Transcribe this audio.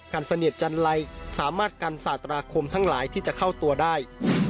เสนียดจันไลสามารถกันศาตราคมทั้งหลายที่จะเข้าตัวได้